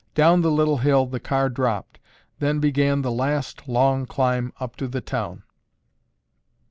Down the little hill the car dropped, then began the last long climb up to the town.